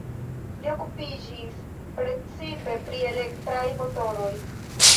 Li okupiĝis precipe pri elektraj motoroj.